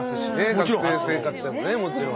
学生生活でもねもちろん。